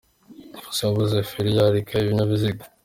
Fuso yabuze feri yararika ibinyabiziga